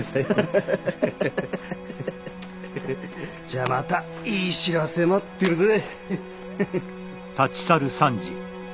じゃまたいい知らせ待ってるぜ。